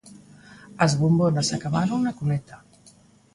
As bombonas acabaron na cuneta.